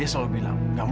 akan mau kembali ke perp